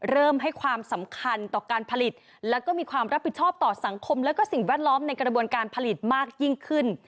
ให้ความสำคัญต่อการผลิตแล้วก็มีความรับผิดชอบต่อสังคมและสิ่งแวดล้อมในกระบวนการผลิตมากยิ่งขึ้น